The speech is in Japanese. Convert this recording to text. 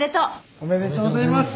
おめでとうございます。